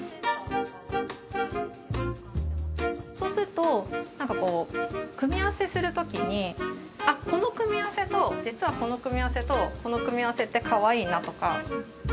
そうするとなんかこう組み合わせする時にあこの組み合わせと実はこの組み合わせとこの組み合わせってかわいいなとか。